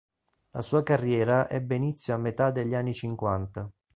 La sua carriera ebbe inizio a metà degli anni cinquanta.